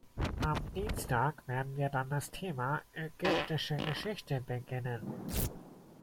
Am Dienstag werden wir dann das Thema ägyptische Geschichte beginnen.